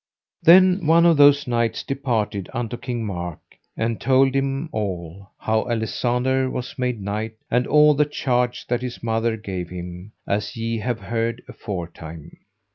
Then one of those knights departed unto King Mark, and told him all, how Alisander was made knight, and all the charge that his mother gave him, as ye have heard afore time.